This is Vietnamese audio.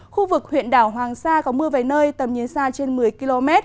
khu vực huyện đảo hoàng sa có mưa vài nơi tầm nhìn xa trên một mươi km